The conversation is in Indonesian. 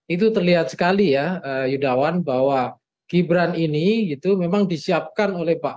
itu terlihat sekali ya yudawan bahwa gibran ini memang disiapkan